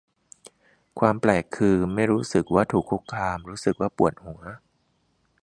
ความแปลก คือ ไม่รู้สึกว่าถูกคุกคาม รู้สึกว่าปวดหัว